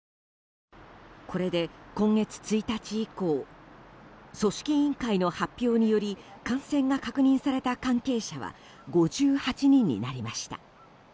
これで今月１日以降組織委員会の発表により感染が確認された関係者は５８人になりました。